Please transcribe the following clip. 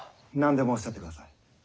何でもおっしゃってください。